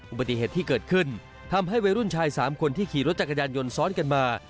อุบัติเหตุที่เกิดขึ้นทำให้วัยรุ่นชาย๓คนที่ขี่รถจักรยานยนต์ซ้อนกันมา